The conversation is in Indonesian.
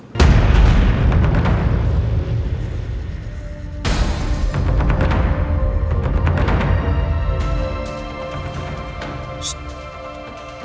tapi betta tidak sebelum rifqi pergi meninggalkan perempuan ipa itu